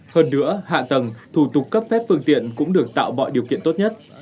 hơn nữa hạ tầng thủ tục cấp phép phương tiện cũng được tạo mọi điều kiện tốt nhất